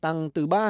tăng từ ba